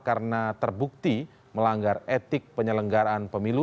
karena terbukti melanggar etik penyelenggaraan pemilu